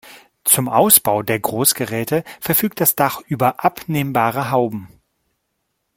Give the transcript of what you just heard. Zum Ausbau der Großgeräte verfügt das Dach über abnehmbare Hauben.